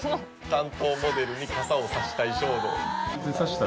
担当モデルに傘をさしたい衝動。